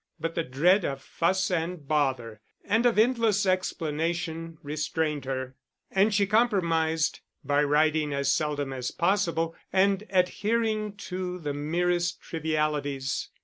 But the dread of fuss and bother, and of endless explanation, restrained her; and she compromised by writing as seldom as possible and adhering to the merest trivialities.